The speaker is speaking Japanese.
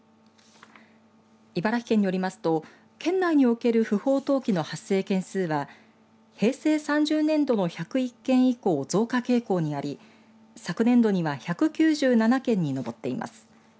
茨城県によりますと県内における不法投棄の発生件数は平成３０年度の１０１件以降増加傾向にあり昨年度には１９７件に上っています。